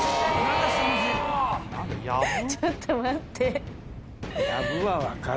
ちょっと待って。